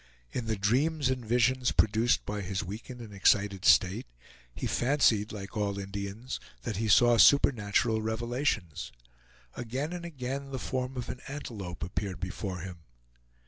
In the dreams and visions produced by his weakened and excited state, he fancied like all Indians, that he saw supernatural revelations. Again and again the form of an antelope appeared before him.